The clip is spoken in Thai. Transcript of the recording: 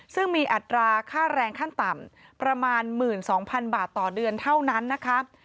ซึ่งมีอัตราค่าแรงขั้นต่ำประมาณ๑๒๐๐๐บาทต่อเดือนเท่านั้นนะคะ